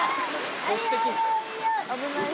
危ない！